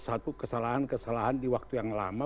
satu kesalahan kesalahan di waktu yang lama